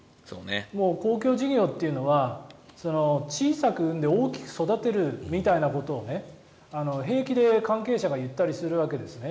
公共事業というのは小さく生んで大きく育てるみたいなことを平気で関係者が言ったりするわけですね。